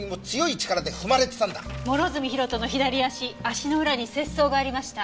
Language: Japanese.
諸角博人の左足足の裏に切創がありました。